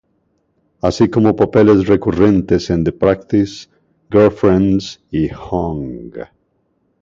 Así como papeles recurrentes en "The Practice", "Girlfriends" y "Hung".